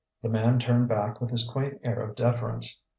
The man turned back with his quaint air of deference.